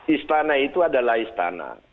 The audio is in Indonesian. istana itu adalah istana